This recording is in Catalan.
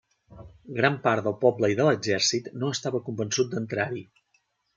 Gran part del poble i de l'exèrcit no estava convençut d'entrar-hi.